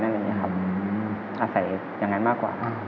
อาศัยอย่างนั้นมากกว่า